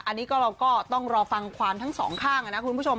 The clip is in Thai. อันนี้ก็เราก็ต้องรอฟังความทั้งสองข้างนะคุณผู้ชม